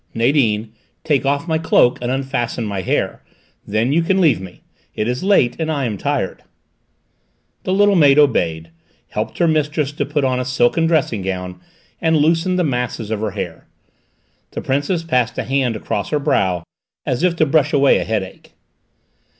"Nadine, take off my cloak and unfasten my hair. Then you can leave me: it is late, and I am tired." The little maid obeyed, helped her mistress to put on a silken dressing gown, and loosened the masses of her hair. The Princess passed a hand across her brow, as if to brush away a headache.